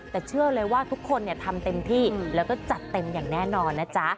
แต่เชื่อเลยว่าทุกคนทำเต็มที่แล้วก็จัดเต็มอย่างแน่นอนนะจ๊ะ